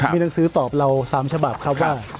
มีหนังสือตอบเรา๓ฉบับครับว่า